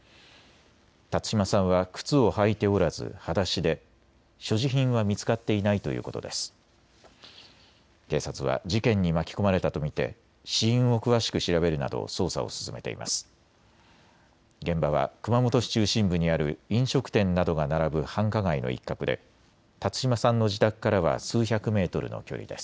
辰島さんは靴を履いておらずはだしで、所持品は見つかっていないということです。